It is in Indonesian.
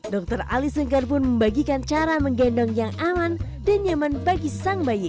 dokter ali sengkar pun membagikan cara menggendong yang aman dan nyaman bagi sang bayi